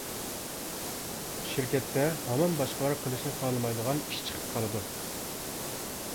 شىركەتتە ھامان باشقىلار قىلىشنى خالىمايدىغان ئىش چىقىپ قالىدۇ.